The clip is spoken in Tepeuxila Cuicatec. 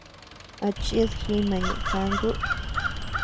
¿A chid jima ñeʼe kantu?